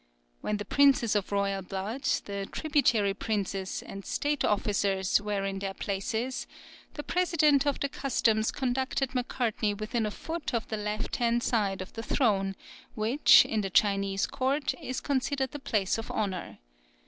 When the princes of royal blood, the tributary princes, and state officers, were in their places, the president of the customs conducted Macartney within a foot of the left hand side of the throne, which in the Chinese court is considered the place of honour.